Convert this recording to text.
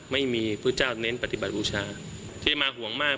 ไม่มีพระเจ้าเน้นปฏิบัติบูชาที่มาห่วงมาก